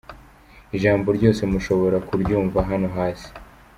Ijambo ryose mushobora kuryumva hano hasi: